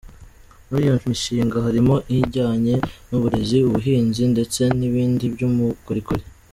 Muri iyo mishinga harimo ijyanye n’uburezi, ubuhinzi ndetse n’ibindi by’ubukorikori.